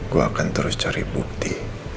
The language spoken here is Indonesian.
gue akan terus cari bukti